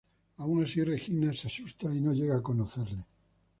Aun así, Regina se asusta y no llega a conocerle.